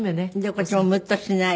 こっちもムッとしない。